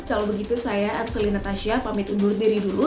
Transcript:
kalau begitu saya arselinetasha pamit undur diri dulu